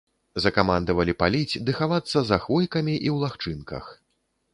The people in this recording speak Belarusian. Закамандавалі паліць ды хавацца за хвойкамі і ў лагчынках.